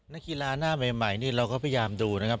นักกีฬาหน้าใหม่นี่เราก็พยายามดูนะครับ